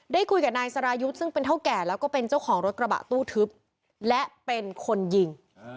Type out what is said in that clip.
ได้คุยกับนายสรายุทธ์ซึ่งเป็นเท่าแก่แล้วก็เป็นเจ้าของรถกระบะตู้ทึบและเป็นคนยิง